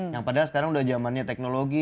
yang padahal sekarang udah zamannya teknologi